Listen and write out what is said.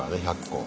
１００個。